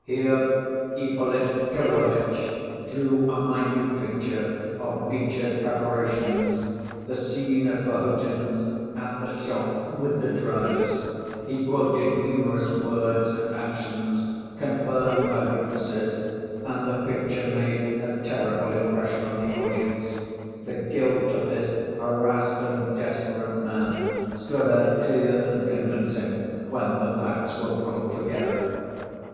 Here Ippolit Kirillovitch drew a minute picture of Mitya's preparations, the scene at Perhotin's, at the shop, with the drivers. He quoted numerous words and actions, confirmed by witnesses, and the picture made a terrible impression on the audience. The guilt of this harassed and desperate man stood out clear and convincing, when the facts were brought together.